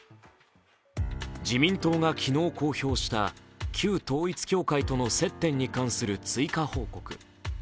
自民党が昨日公表した旧統一教会との接点に関する追加報告。